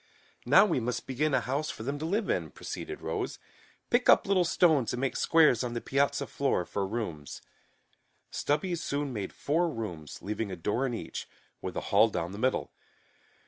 "Now we must begin a house for them to live in," proceeded Rose. "Pick up little stones and make squares on the piazza floor for rooms." Stubby soon made four rooms, leaving a door in each, with a hall down the middle.